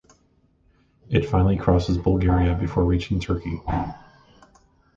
It finally crosses Bulgaria before reaching Turkey.